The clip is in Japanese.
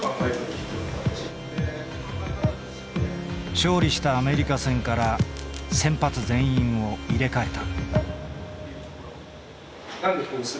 勝利したアメリカ戦から先発全員を入れ替えた。